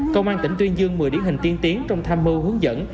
công an tỉnh tuyên dương một mươi điển hình tiên tiến trong tham mưu hướng dẫn